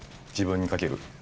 自分にかける。